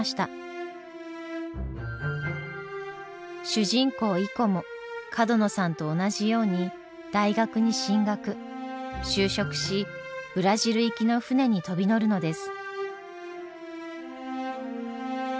主人公イコも角野さんと同じように大学に進学就職しブラジル行きの船に飛び乗るのです。